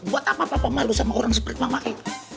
buat apa papa malu sama orang seperti mama ini